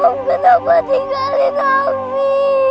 om kenapa tinggalin ami